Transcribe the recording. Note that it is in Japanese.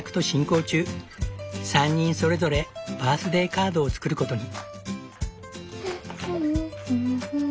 ３人それぞれバースデーカードを作ることに。